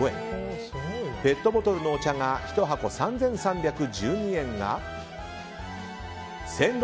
ペットボトルのお茶が１箱３３１２円が１６５６円。